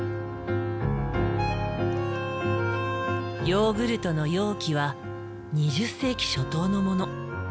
ヨーグルトの容器は２０世紀初頭のもの。